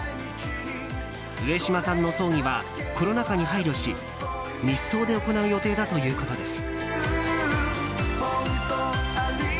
上島さんの葬儀はコロナ禍に配慮し密葬で行う予定だということです。